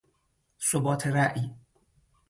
ثبات رأی